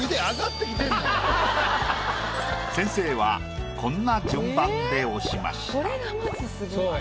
先生はこんな順番で押しました。